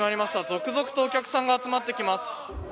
続々とお客さんが集まってきます。